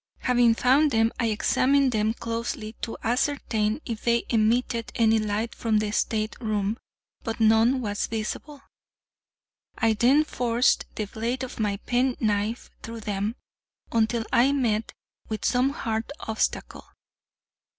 Having found them, I examined them closely to ascertain if they emitted any light from the state room; but none was visible. I then forced the blade of my pen knife through them, until I met with some hard obstacle.